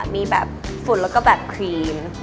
มีแบบฝุ่นแล้วก็แบบครีม